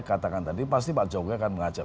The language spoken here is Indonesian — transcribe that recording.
katakan tadi pasti pak jokowi akan mengajak